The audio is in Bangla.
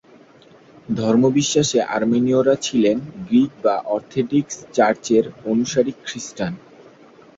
ধর্মবিশ্বাসে আর্মেনীয়রা ছিলেন গ্রিক বা অর্থডক্স চার্চের অনুসারী খ্রিস্টান।